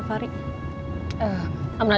agar dia balik intermediate